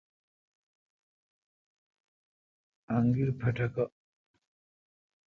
انگیر پھٹھکہ